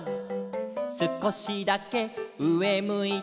「すこしだけうえむいて」